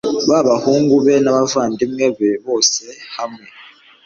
b abahungu be n abavandimwe be bose hamwe